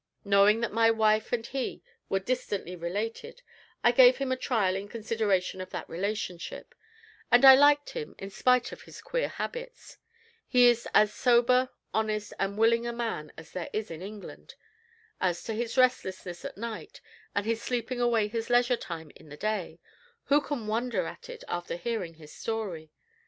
Knowing that my wife and he were distantly related, I gave him a trial in consideration of that relationship, and liked him in spite of his queer habits. He is as sober, honest, and willing a man as there is in England. As for his restlessness at night, and his sleeping away his leisure time in the day, who can wonder at it after hearing his story?